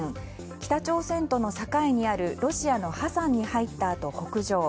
北朝鮮との境にあるロシアのハサンに入ったあと北上。